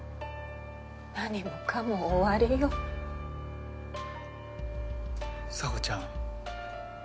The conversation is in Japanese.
何もかも終わりよ沙帆ちゃん。